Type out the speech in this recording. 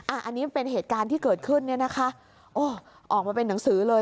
อันนี้เป็นเหตุการณ์ที่เกิดขึ้นออกมาเป็นหนังสือเลย